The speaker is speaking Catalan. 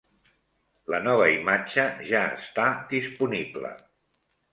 La nova imatge ja està disponible.